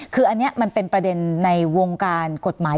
คืออันนี้มันเป็นประเด็นในวงการกฎหมาย